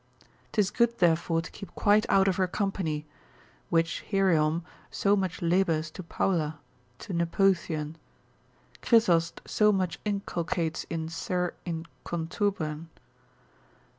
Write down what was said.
'Tis good therefore to keep quite out of her company, which Hierom so much labours to Paula, to Nepotian; Chrysost. so much inculcates in ser. in contubern.